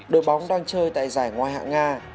đội bóng đang chơi tại giải ngoại hạng nga